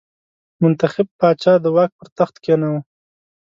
منتخب پاچا د واک پر تخت کېناوه.